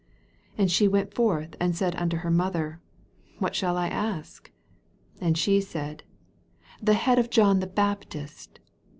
24 And she went forth, and said unto her mother, What Shall I ask 'I And she said, The head of John the Baptist.